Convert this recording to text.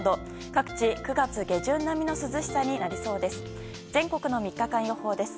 各地、９月下旬並みの涼しさになりそうです。